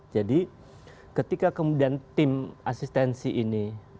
jadi ketika kemudian tim asistensi ini